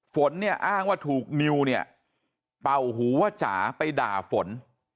ฝนเนี่ยอ้างว่าถูกนิวเนี่ยเป่าหูว่าจ๋าไปด่าฝน